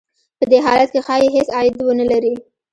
په دې حالت کې ښايي هېڅ عاید ونه لري